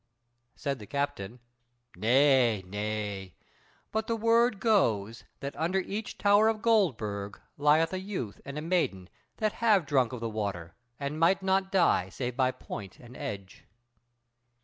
Said the captain: "Nay, nay; but the word goes that under each tower of Goldburg lieth a youth and a maiden that have drunk of the water, and might not die save by point and edge."